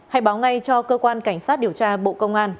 hãy báo ngay cho cơ quan cảnh sát điều tra bộ công an